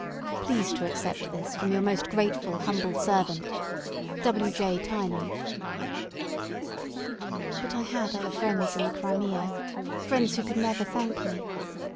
Please to accept this from your most grateful humble servant, "W. J. Tynan." But I had other friends in the Crimea friends who could never thank me.